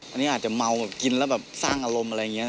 อันนี้อาจจะเมากินแล้วแบบสร้างอารมณ์อะไรอย่างนี้